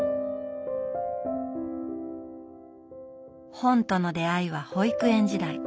本との出会いは保育園時代。